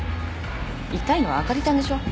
イタいのはあかりちゃんでしょ。